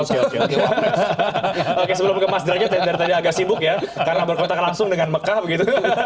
oke sebelum ke mas derajat dari tadi agak sibuk ya karena berkontak langsung dengan mekah begitu